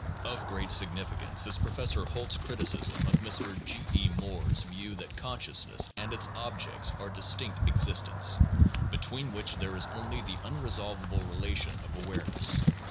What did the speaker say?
Of great significance is Professor Holt's criticism of Mr. G. B. Moore's view that consciousness and its objects are distinct existents, between which there is only the unresolvable relation of awareness.